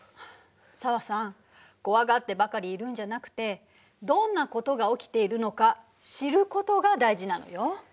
紗和さん怖がってばかりいるんじゃなくてどんなことが起きているのか知ることが大事なのよ。